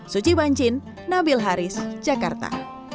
suci bancin nabil haris jakarta